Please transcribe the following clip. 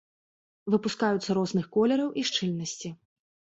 Выпускаюцца розных колераў і шчыльнасці.